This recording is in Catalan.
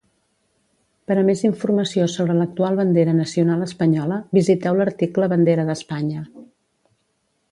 Per a més informació sobre l'actual bandera nacional espanyola, visiteu l'article Bandera d'Espanya.